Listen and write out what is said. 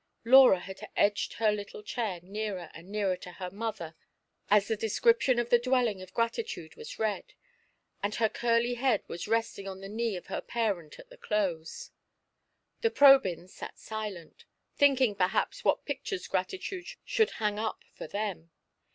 . her little chair nearer and nearer 122 FAIK GRATITUDEL to her mother as the description of the dwelling of Gratitude was read, and her curly head was resting on the knee of her {parent at the close. The Probyns sat silent, thinking, perhaps, what pictures Gratitude should hang up for them.